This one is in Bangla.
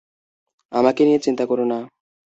আমাকে নিয়ে চিন্তা কোরো না।